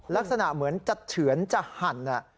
ลักษณะเหมือนจะเฉือนจะหั่น